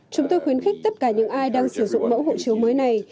chúng tôi khuyến khích tất cả những ai đang sử dụng mẫu hộ chiếu mới này